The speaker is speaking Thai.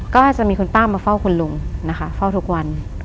ก็จะมีคุณป้ามาเฝ้าคุณลุงนะคะเฝ้าทุกวัน